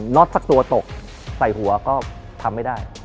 ็อตสักตัวตกใส่หัวก็ทำไม่ได้